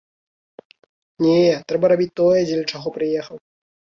Не, трэба рабіць тое, дзеля чаго прыехаў.